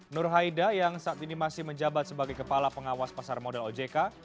nur haida yang saat ini masih menjabat sebagai kepala pengawas pasar modal ojk